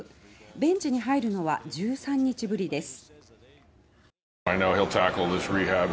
ベンチに入るのは１３日ぶりです。